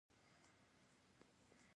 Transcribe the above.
په تن وی